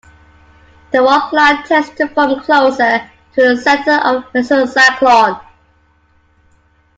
The wall cloud tends to form closer to the center of the mesocyclone.